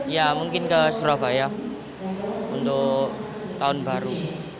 ya mungkin ke surabaya untuk tahun baru